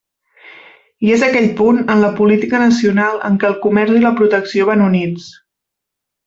I és aquell punt en la política nacional en què el comerç i la protecció van units.